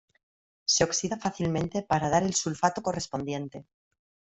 Se oxida fácilmente para dar el sulfato correspondiente.